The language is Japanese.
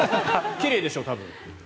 奇麗でしょ、多分。